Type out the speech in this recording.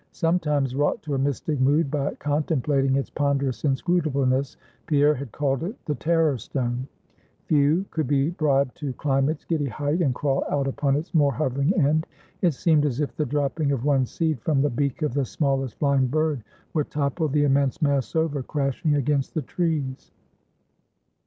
Sometimes, wrought to a mystic mood by contemplating its ponderous inscrutableness, Pierre had called it the Terror Stone. Few could be bribed to climb its giddy height, and crawl out upon its more hovering end. It seemed as if the dropping of one seed from the beak of the smallest flying bird would topple the immense mass over, crashing against the trees.